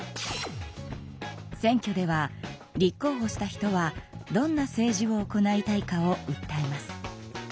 選挙では立候ほした人はどんな政治を行いたいかをうったえます。